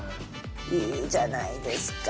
いいじゃないですか。